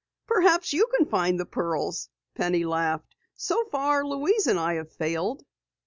"Perhaps you can find the pearls," Penny laughed. "So far Louise and I have failed."